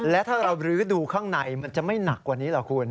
และถ้าเรารื้อดูข้างในมันจะไม่หนักกว่านี้หรอกคุณ